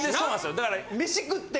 だから。